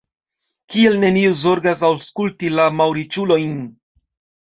Kial neniu zorgas aŭskulti la malriĉulojn?